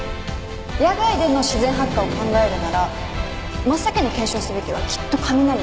野外での自然発火を考えるなら真っ先に検証すべきはきっと雷ね。